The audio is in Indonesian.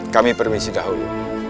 kami permisi dahulu